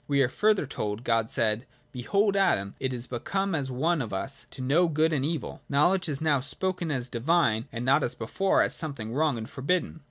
We are further told, God said, ' Behold Adam is become as one of us, to know good and evil.' Knowledge is now spoken of as divine, and not, as before, as something wrong » and forbidden.